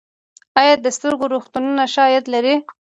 آیا د سترګو روغتونونه ښه عاید لري؟